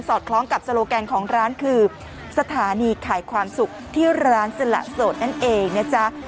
คล้องกับโซโลแกนของร้านคือสถานีขายความสุขที่ร้านสละโสดนั่นเองนะจ๊ะ